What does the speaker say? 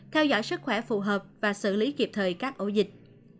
theo dõi sức khỏe phù hợp và xử lý kịp thời các ổ dịch